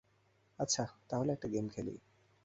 আচ্ছা, তাহলে একটা গেম খেলি।